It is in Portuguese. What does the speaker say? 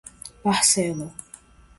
parcela